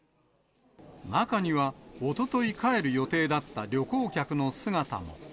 中には、おととい帰る予定だった旅行客の姿も。